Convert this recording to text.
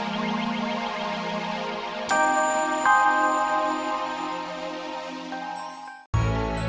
kau mau hidup dan mati aku tuh sama kamu asma